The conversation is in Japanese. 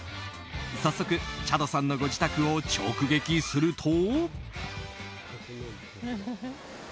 早速、チャドさんのご自宅を直撃すると。